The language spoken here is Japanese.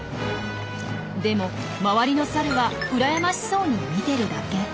でも周りのサルはうらやましそうに見てるだけ。